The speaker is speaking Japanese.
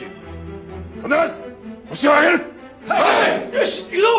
よし行くぞ！